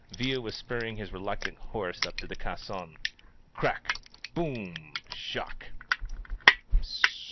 Villa was spurring his re luctant horse up to the caisson. Cra — ^boom — shock!